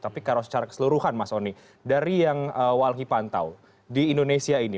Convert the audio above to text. tapi kalau secara keseluruhan mas oni dari yang walhi pantau di indonesia ini